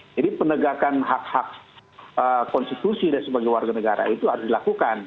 jadi penegakan hak hak konstitusi sebagai warga negara itu harus dilakukan